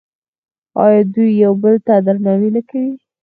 آیا دوی یو بل ته درناوی نه کوي؟